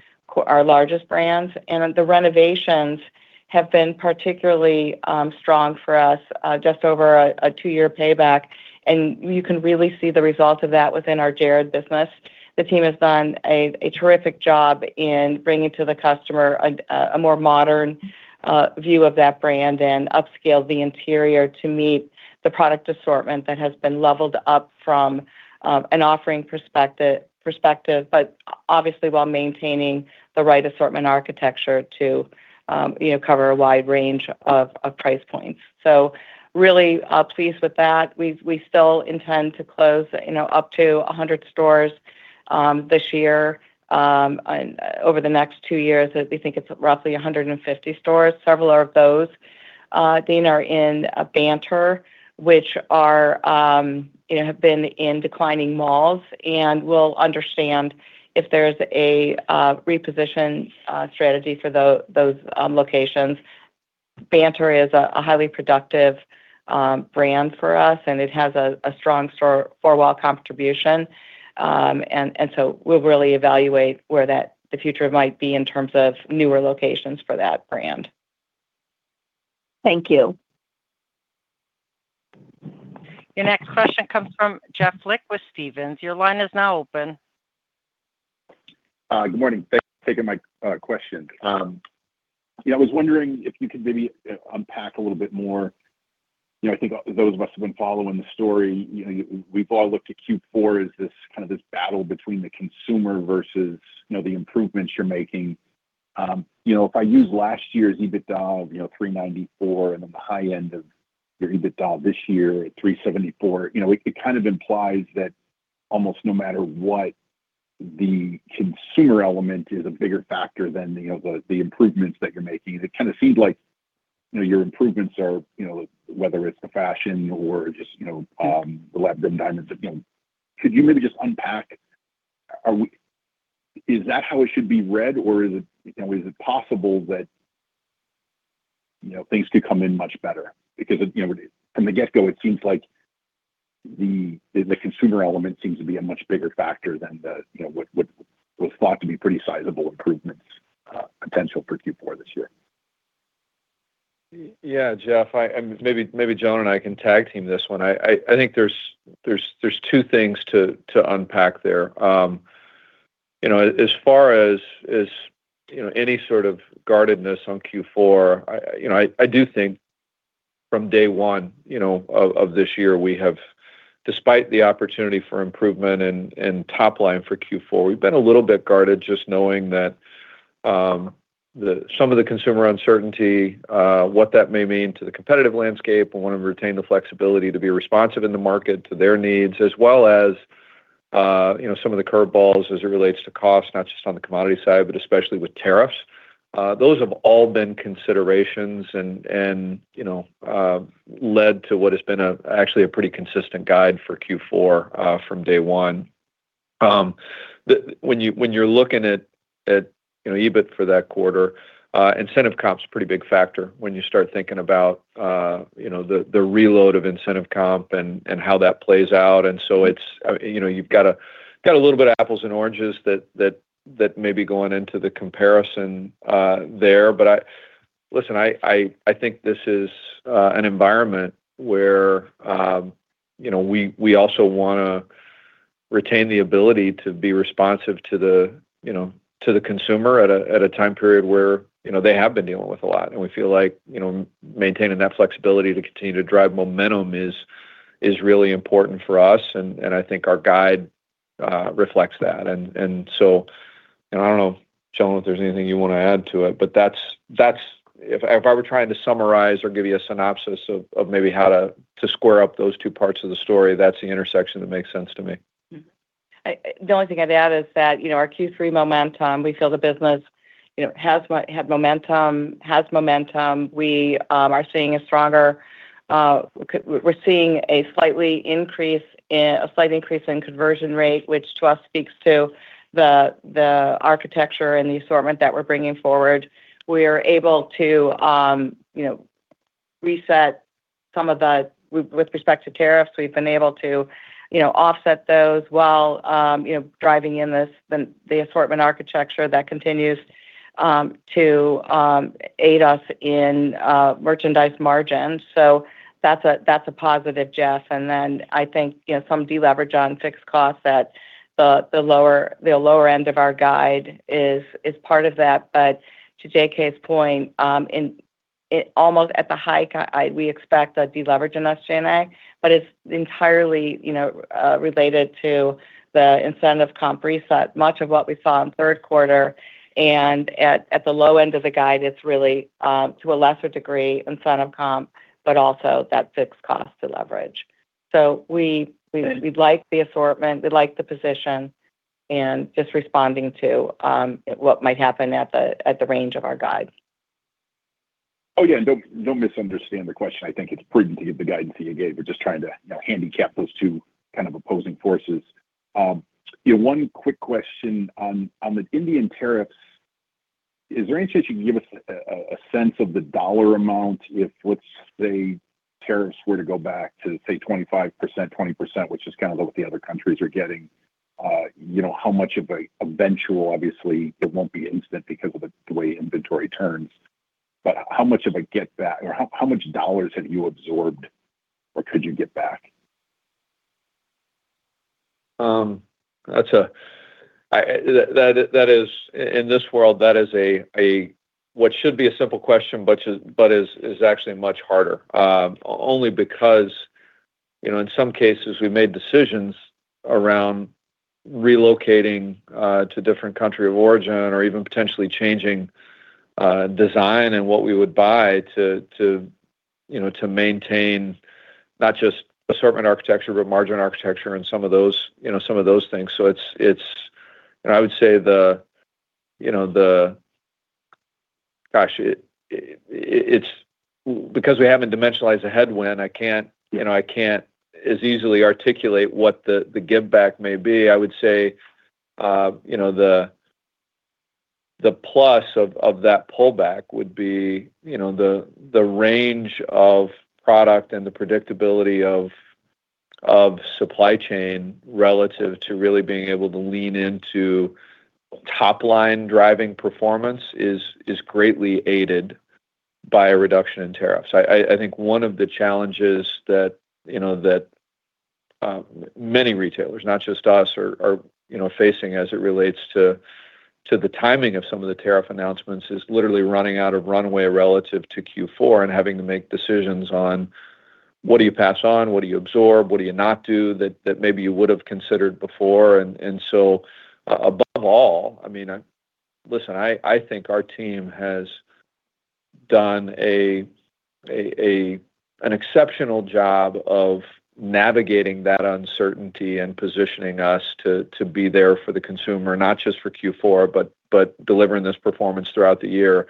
largest brands. The renovations have been particularly strong for us, just over a two-year payback. You can really see the results of that within our Jared business. The team has done a terrific job in bringing to the customer a more modern view of that brand and upscale the interior to meet the product assortment that has been leveled up from an offering perspective, but obviously while maintaining the right assortment architecture to cover a wide range of price points. Really pleased with that. We still intend to close up to 100 stores this year. Over the next two years, we think it's roughly 150 stores. Several of those, Dana, are in Banter, which have been in declining malls. We'll understand if there's a reposition strategy for those locations. Banter is a highly productive brand for us, and it has a strong store for wall contribution. We'll really evaluate where the future might be in terms of newer locations for that brand.
Thank you.
Your next question comes from Jeff Lick with Stephens. Your line is now open.
Good morning. Thanks for taking my question. I was wondering if you could maybe unpack a little bit more. I think those of us who've been following the story, we've all looked at Q4 as this kind of battle between the consumer versus the improvements you're making. If I use last year's EBITDA of $394 milllion and then the high end of your EBITDA this year at $374 million, it kind of implies that almost no matter what, the consumer element is a bigger factor than the improvements that you're making. It kind of seems like your improvements are, whether it's the fashion or just the Lab-Grown Diamonds. Could you maybe just unpack? Is that how it should be read, or is it possible that things could come in much better? Because from the get-go, it seems like the consumer element seems to be a much bigger factor than what was thought to be pretty sizable improvements potential for Q4 this year.
Yeah, Jeff, maybe Joan and I can tag team this one. I think there are two things to unpack there. As far as any sort of guardedness on Q4, I do think from day one of this year, despite the opportunity for improvement and top line for Q4, we have been a little bit guarded just knowing that some of the consumer uncertainty, what that may mean to the competitive landscape, and want to retain the flexibility to be responsive in the market to their needs, as well as some of the curveballs as it relates to cost, not just on the commodity side, but especially with tariffs. Those have all been considerations and led to what has been actually a pretty consistent guide for Q4 from day one. When you're looking at EBIT for that quarter, incentive comp is a pretty big factor when you start thinking about the reload of incentive comp and how that plays out. You have a little bit of apples and oranges that may be going into the comparison there. Listen, I think this is an environment where we also want to retain the ability to be responsive to the consumer at a time period where they have been dealing with a lot. We feel like maintaining that flexibility to continue to drive momentum is really important for us. I think our guide reflects that. I do not know, Joan, if there is anything you want to add to it, but if I were trying to summarize or give you a synopsis of maybe how to square up those two parts of the story, that is the intersection that makes sense to me.
The only thing I'd add is that our Q3 momentum, we feel the business has momentum. We are seeing a stronger, we're seeing a slight increase in conversion rate, which to us speaks to the architecture and the assortment that we're bringing forward. We are able to reset some of the, with respect to tariffs, we've been able to offset those while driving in the assortment architecture that continues to aid us in merchandise margins. That's a positive, Jeff. I think some deleverage on fixed costs at the lower end of our guide is part of that. To J.K.'s point, almost at the hike, we expect the deleverage in SG&A, but it's entirely related to the incentive comp reset. Much of what we saw in third quarter and at the low end of the guide, it is really to a lesser degree incentive comp, but also that fixed cost to leverage. We like the assortment, we like the position, and just responding to what might happen at the range of our guide.
Oh, yeah. Don't misunderstand the question. I think it's prudent to give the guidance that you gave. We're just trying to handicap those two kind of opposing forces. One quick question on the Indian tariffs. Is there any chance you can give us a sense of the dollar amount if, let's say, tariffs were to go back to, say, 25%, 20%, which is kind of what the other countries are getting? How much of a eventual, obviously, it won't be instant because of the way inventory turns. But how much of a get-back, or how much dollars have you absorbed or could you get back?
That is, in this world, that is what should be a simple question, but is actually much harder. Only because in some cases, we made decisions around relocating to a different country of origin or even potentially changing design and what we would buy to maintain not just assortment architecture, but margin architecture and some of those things. I would say, gosh, because we have not dimensionalized a headwind, I cannot as easily articulate what the give-back may be. I would say the plus of that pullback would be the range of product and the predictability of supply chain relative to really being able to lean into top-line driving performance is greatly aided by a reduction in tariffs. I think one of the challenges that many retailers, not just us, are facing as it relates to the timing of some of the tariff announcements is literally running out of runway relative to Q4 and having to make decisions on what do you pass on, what do you absorb, what do you not do that maybe you would have considered before. Above all, I mean, listen, I think our team has done an exceptional job of navigating that uncertainty and positioning us to be there for the consumer, not just for Q4, but delivering this performance throughout the year.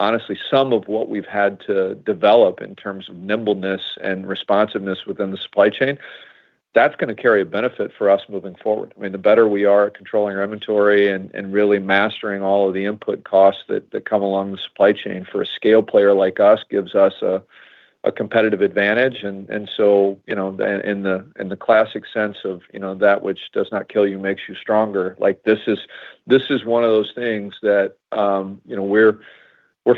Honestly, some of what we've had to develop in terms of nimbleness and responsiveness within the supply chain, that's going to carry a benefit for us moving forward. I mean, the better we are at controlling our inventory and really mastering all of the input costs that come along the supply chain for a scale player like us gives us a competitive advantage. In the classic sense of that which does not kill you makes you stronger, this is one of those things that we're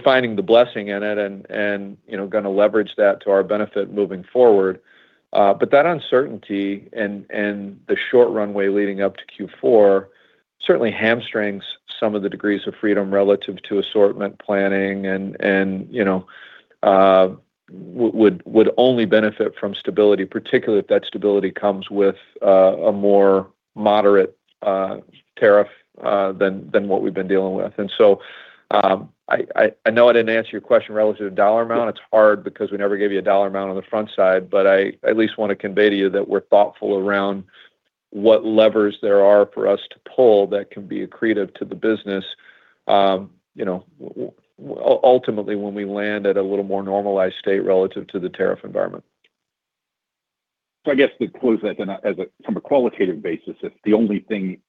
finding the blessing in it and going to leverage that to our benefit moving forward. That uncertainty and the short runway leading up to Q4 certainly hamstrings some of the degrees of freedom relative to assortment planning and would only benefit from stability, particularly if that stability comes with a more moderate tariff than what we've been dealing with. I know I didn't answer your question relative to dollar amount. It's hard because we never gave you a dollar amount on the front side, but I at least want to convey to you that we're thoughtful around what levers there are for us to pull that can be accretive to the business ultimately when we land at a little more normalized state relative to the tariff environment.
I guess to close that, from a qualitative basis, if the only thing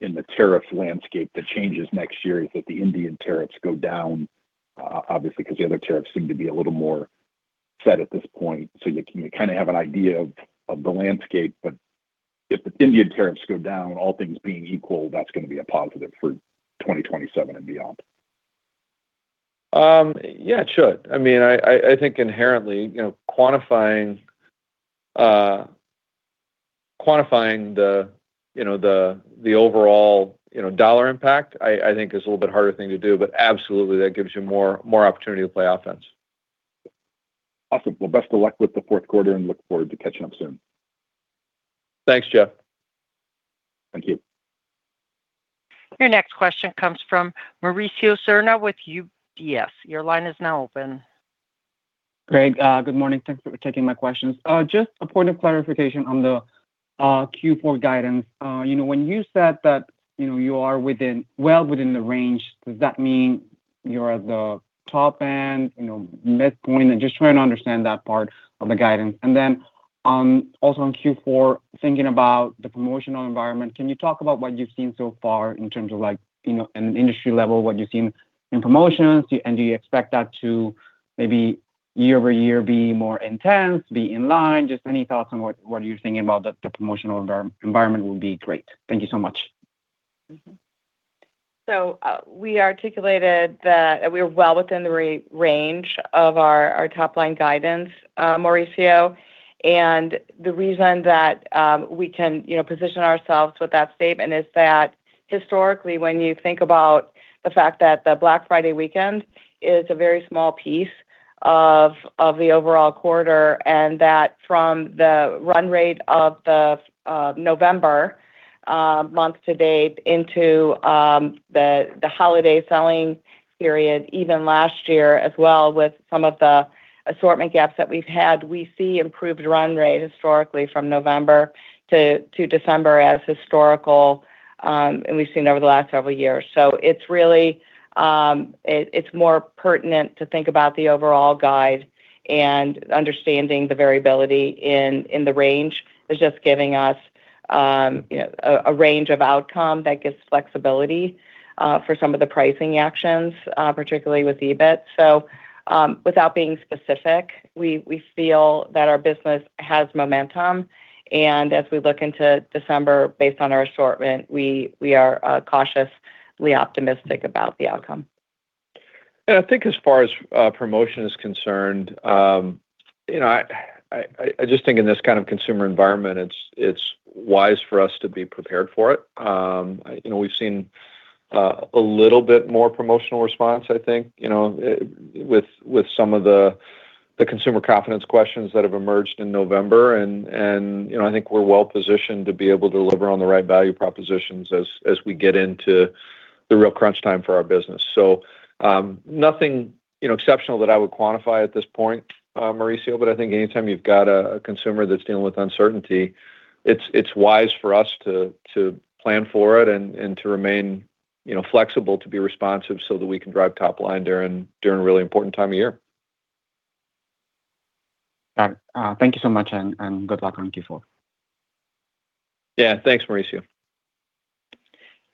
in the tariff landscape that changes next year is that the Indian tariffs go down, obviously, because the other tariffs seem to be a little more set at this point. You kind of have an idea of the landscape, but if the Indian tariffs go down, all things being equal, that's going to be a positive for 2027 and beyond.
Yeah, it should. I mean, I think inherently quantifying the overall dollar impact, I think, is a little bit harder thing to do, but absolutely, that gives you more opportunity to play offense.
Awesome. Best of luck with the fourth quarter and look forward to catching up soon.
Thanks, Jeff.
Thank you.
Your next question comes from Mauricio Serna with UBS. Your line is now open.
Thanks, good morning. Thanks for taking my questions. Just a point of clarification on the Q4 guidance. When you said that you are well within the range, does that mean you're at the top end, midpoint? I'm just trying to understand that part of the guidance. Also on Q4, thinking about the promotional environment, can you talk about what you've seen so far in terms of an industry level, what you've seen in promotions? Do you expect that to maybe year over year be more intense, be in line? Just any thoughts on what you're thinking about the promotional environment would be great. Thank you so much.
We articulated that we are well within the range of our top-line guidance, Mauricio. The reason that we can position ourselves with that statement is that historically, when you think about the fact that the Black Friday weekend is a very small piece of the overall quarter and that from the run rate of the November month to date into the holiday selling period, even last year as well with some of the assortment gaps that we've had, we see improved run rate historically from November to December as historical, and we've seen over the last several years. It is more pertinent to think about the overall guide and understanding the variability in the range is just giving us a range of outcome that gives flexibility for some of the pricing actions, particularly with EBIT. Without being specific, we feel that our business has momentum. As we look into December, based on our assortment, we are cautiously optimistic about the outcome.
I think as far as promotion is concerned, I just think in this kind of consumer environment, it's wise for us to be prepared for it. We've seen a little bit more promotional response, I think, with some of the consumer confidence questions that have emerged in November. I think we're well positioned to be able to deliver on the right value propositions as we get into the real crunch time for our business. Nothing exceptional that I would quantify at this point, Mauricio, but I think anytime you've got a consumer that's dealing with uncertainty, it's wise for us to plan for it and to remain flexible, to be responsive so that we can drive top line during a really important time of year.
Got it. Thank you so much and good luck on Q4.
Yeah. Thanks, Mauricio.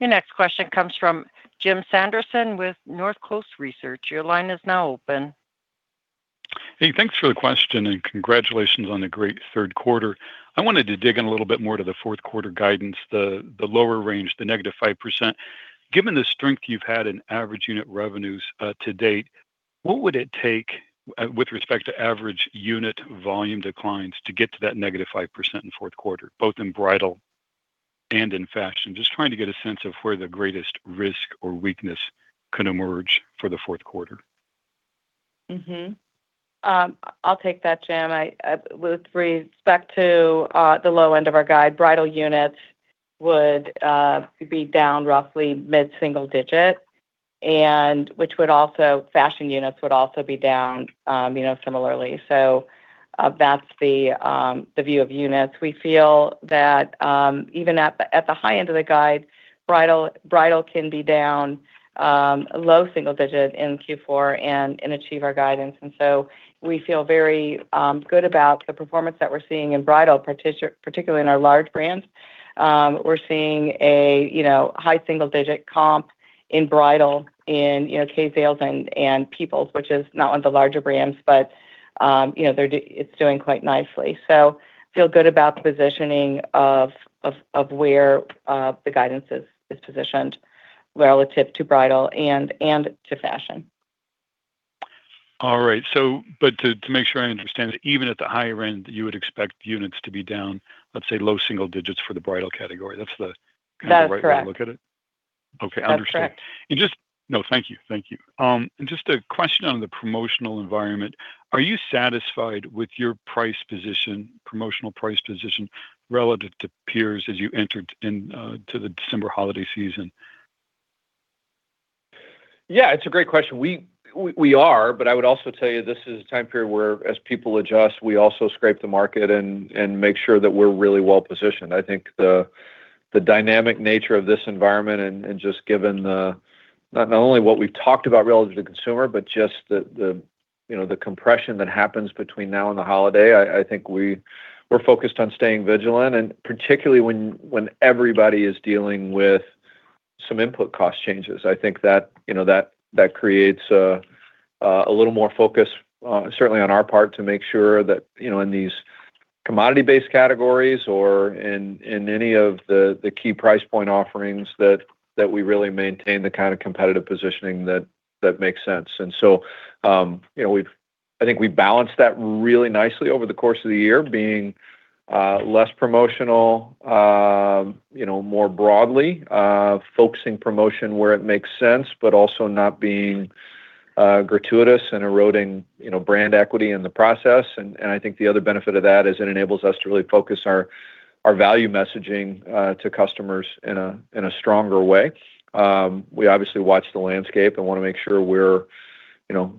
Your next question comes from Jim Sanderson with North Coast Research. Your line is now open.
Hey, thanks for the question and congratulations on a great third quarter. I wanted to dig in a little bit more to the fourth quarter guidance, the lower range, the -5%. Given the strength you've had in average unit revenues to date, what would it take with respect to average unit volume declines to get to that -5% in fourth quarter, both in bridal and in fashion? Just trying to get a sense of where the greatest risk or weakness can emerge for the fourth quarter.
I'll take that, Jim. With respect to the low end of our guide, bridal units would be down roughly mid-single digit, which would also fashion units would also be down similarly. That is the view of units. We feel that even at the high end of the guide, bridal can be down low-single digit in Q4 and achieve our guidance. We feel very good about the performance that we're seeing in bridal, particularly in our large brands. We're seeing a high single digit comp in bridal in Kay sales and Peoples, which is not one of the larger brands, but it's doing quite nicely. We feel good about the positioning of where the guidance is positioned relative to bridal and to fashion.
All right. To make sure I understand, even at the higher end, you would expect units to be down, let's say, low single digits for the bridal category. That's the kind of right way to look at it?
That's correct.
Okay. I understand. No, thank you. Thank you. Just a question on the promotional environment. Are you satisfied with your price position, promotional price position relative to peers as you entered into the December holiday season?
Yeah, it's a great question. We are, but I would also tell you this is a time period where, as people adjust, we also scrape the market and make sure that we're really well positioned. I think the dynamic nature of this environment and just given not only what we've talked about relative to the consumer, but just the compression that happens between now and the holiday, I think we're focused on staying vigilant, and particularly when everybody is dealing with some input cost changes. I think that creates a little more focus, certainly on our part, to make sure that in these commodity-based categories or in any of the key price point offerings, that we really maintain the kind of competitive positioning that makes sense. I think we balanced that really nicely over the course of the year, being less promotional, more broadly, focusing promotion where it makes sense, but also not being gratuitous and eroding brand equity in the process. I think the other benefit of that is it enables us to really focus our value messaging to customers in a stronger way. We obviously watch the landscape and want to make sure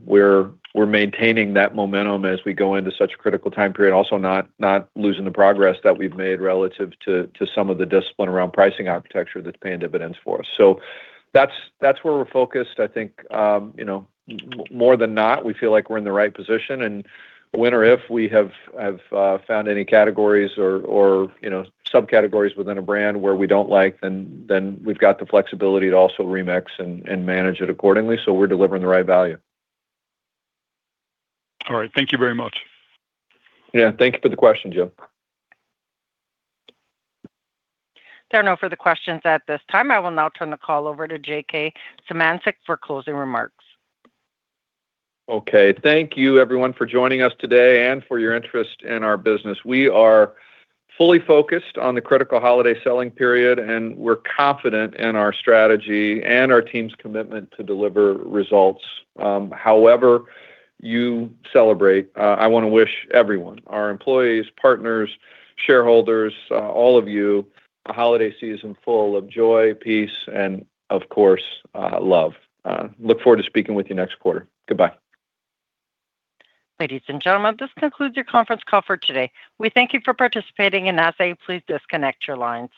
we're maintaining that momentum as we go into such a critical time period, also not losing the progress that we've made relative to some of the discipline around pricing architecture that's paying dividends for us. That's where we're focused. I think more than not, we feel like we're in the right position. When or if we have found any categories or subcategories within a brand where we do not like, then we have the flexibility to also remix and manage it accordingly. We are delivering the right value.
All right. Thank you very much.
Yeah. Thank you for the question, Jim.
There are no further questions at this time. I will now turn the call over to J.K. Symancyk for closing remarks.
Okay. Thank you, everyone, for joining us today and for your interest in our business. We are fully focused on the critical holiday selling period, and we're confident in our strategy and our team's commitment to deliver results. However you celebrate, I want to wish everyone, our employees, partners, shareholders, all of you, a holiday season full of joy, peace, and of course, love. Look forward to speaking with you next quarter. Goodbye.
Ladies and gentlemen, this concludes your conference call for today. We thank you for participating and ask that you please disconnect your lines.